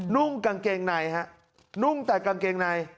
นุ่งกางเกงในฮะนุ่งแต่กางเกงใน